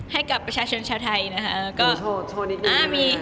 ให้กับประชาชนชาวไทยนะคะ